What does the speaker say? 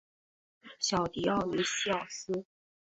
小狄奥尼西奥斯。